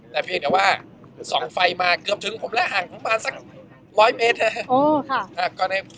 แต่เพียงเดี๋ยวสองไฟมาเกือบถึงผมและห่างสัก๑๐๐เมตร